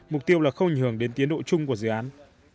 mục tiêu là không ảnh hưởng đến tiến độ chung của dự án